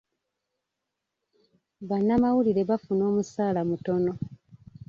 Bannamawulire bafuna omusaala mutono.